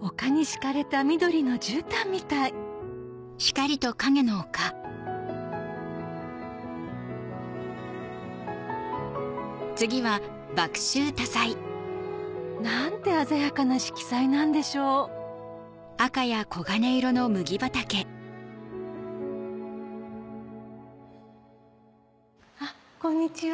丘に敷かれた緑の絨毯みたいなんて鮮やかな色彩なんでしょうこんにちは。